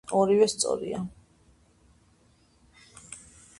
ორივე სწორია.